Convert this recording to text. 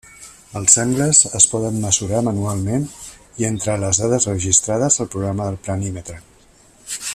Els angles es poden mesurar manualment i entrar les dades registrades al programa del planímetre.